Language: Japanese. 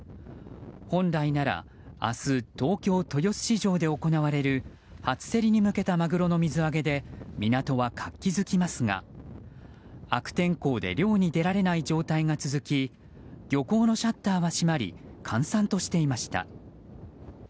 本来なら明日東京・豊洲市場で行われる初競りに向けたマグロの水揚げで港は活気づきますが、悪天候で漁に出られない状態が続き漁港のシャッターが閉まり閑散としていました。